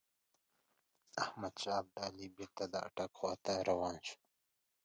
احمدشاه ابدالي بیرته د اټک خواته روان شوی.